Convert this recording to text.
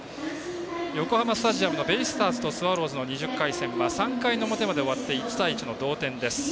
横浜スタジアムのベイスターズとスワローズの２０回戦は３回の表まで終わって１対１の同点。